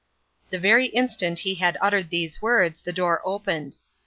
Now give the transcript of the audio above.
The very instant he had uttered these words, the door opened.